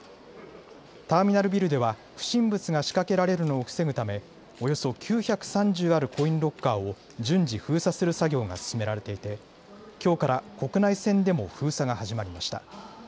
ターミナルビルでは不審物が仕掛けられるのを防ぐためおよそ９３０あるコインロッカーを順次、封鎖する作業が進められていて、きょうから国内線でも封鎖が始まりました。